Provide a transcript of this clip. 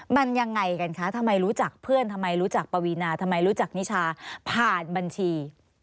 มันยังไงกันคะทำไมรู้จักเพื่อนทำไมรู้จักปวีนาทำไมรู้จักนิชาผ่านบัญชี